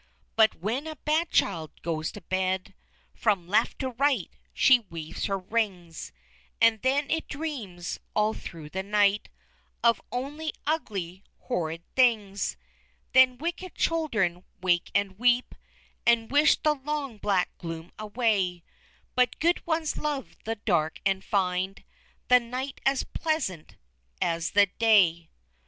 But when a bad child goes to bed, From left to right she weaves her rings, And then it dreams all through the night Of only ugly horrid things! Then wicked children wake and weep, And wish the long black gloom away; But good ones love the dark, and find The night as pleasant as the day.